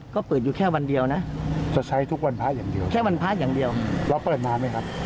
ก็เปิดอยู่แค่วันเดียวนะจะใช้ทุกวันพระอย่างเดียวแค่วันพระอย่างเดียวเราเปิดนานไหมครับ